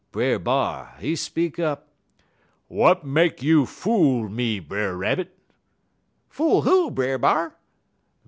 Brer B'ar, he speak up: "'W'at make you fool me, Brer Rabbit?' "'Fool who, Brer B'ar?'